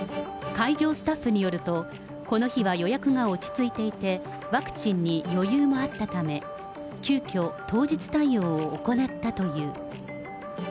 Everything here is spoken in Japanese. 会場スタッフによると、この日は予約が落ち着いていて、ワクチンに余裕もあったため、急きょ、当日対応を行ったという。